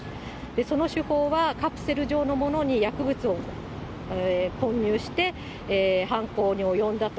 その手法はカプセル状のものに薬物を混入して、犯行に及んだと。